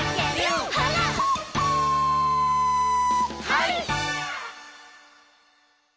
「はい！」